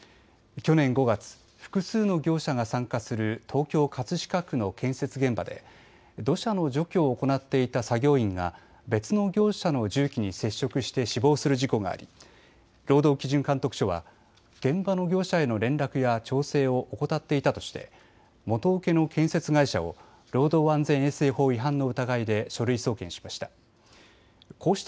去年５月、複数の業者が参加する東京葛飾区の建設現場で土砂の除去を行っていた作業員が別の業者の重機に接触して死亡する事故があり労働基準監督署は現場の業者への連絡や調整を怠っていたとして元請けの建設会社を労働安全衛生法違反の疑いで書類送検しました。